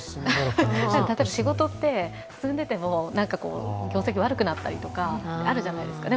例えば仕事って進んでいても、業績が悪くなったりってあるじゃないですか。